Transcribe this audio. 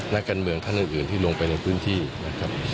นักการเมืองท่านอื่นที่ลงไปในพื้นที่นะครับ